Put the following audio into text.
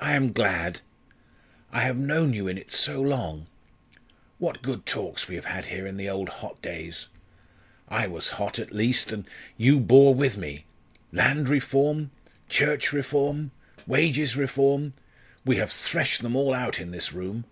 "I am glad. I have known you in it so long. What good talks we have had here in the old hot days! I was hot, at least, and you bore with me. Land Reform Church Reform Wages Reform we have threshed them all out in this room.